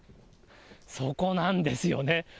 そこなんですよね。